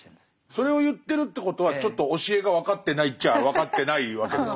それを言ってるってことはちょっと教えが分かってないっちゃあ分かってないわけですもんね。